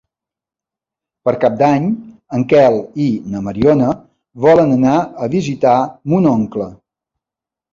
Per Cap d'Any en Quel i na Mariona volen anar a visitar mon oncle.